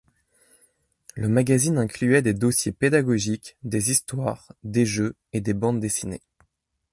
Le magazine incluait des dossiers pédagogiques, des histoires, des jeux et des bandes dessinées.